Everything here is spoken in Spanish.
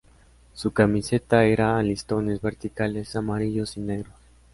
Su camiseta era a listones verticales, amarillos y negros.